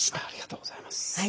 ありがとうございます。